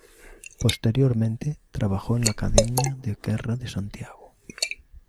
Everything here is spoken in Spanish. Posteriormente trabajó en la Academia de Guerra de Santiago.